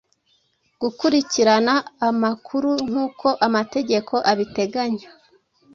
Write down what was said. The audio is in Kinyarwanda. gukurikira amakuru nk’uko amategeko abiteganya”.